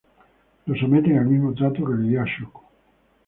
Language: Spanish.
Lo someten al mismo trato que le dio a Shoko.